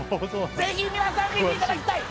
ぜひ皆さん見ていただきたいいい！